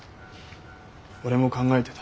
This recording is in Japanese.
俺も考えてた。